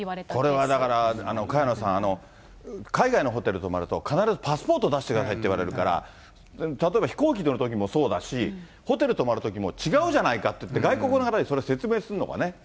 これはだから萱野さん、海外のホテル泊まると、必ずパスポート出してくださいって言われるから、例えば飛行機乗るときもそうだし、ホテル泊まるときも違うじゃないかっていって、外国の方にそれを説明するのもね。